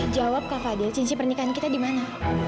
jawab kak fadil cincin pernikahan kita di mana